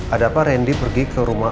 adakah randy pergi ke rumah